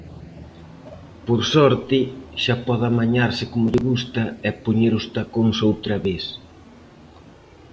Por sorte, xa pode amañarse como lle gusta e poñer os tacóns outra vez.